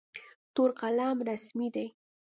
تور قلم رسمي دی.